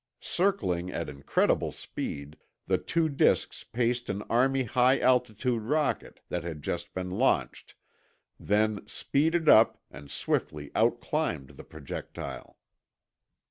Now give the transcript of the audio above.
Circling at incredible speed, the two disks paced an Army high altitude rocket that had just been launched, then speeded up and swiftly outclimbed the projectile.